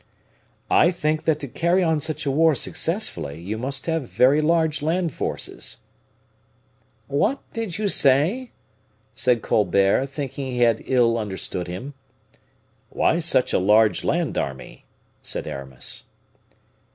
"I think that to carry on such a war successfully, you must have very large land forces." "What did you say?" said Colbert, thinking he had ill understood him. "Why such a large land army?" said Aramis.